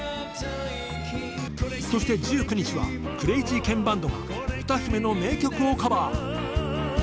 そして１９日はクレイジーケンバンドが歌姫の名曲をカバー。